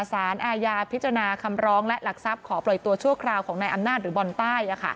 สารอาญาพิจารณาคำร้องและหลักทรัพย์ขอปล่อยตัวชั่วคราวของนายอำนาจหรือบอลใต้